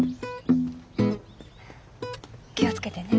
気を付けてね。